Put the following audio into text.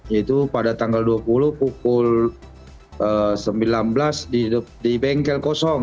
yaitu pada tanggal dua puluh pukul sembilan belas di bengkel kosong